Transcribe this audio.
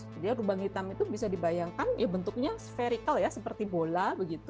jadi lubang hitam itu bisa dibayangkan bentuknya spherical seperti bola